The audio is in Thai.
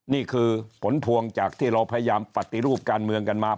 นี่คือผลพวงจากที่เราพยายามปฏิรูปการเมืองกันมา